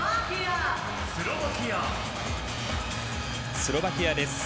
スロバキアです。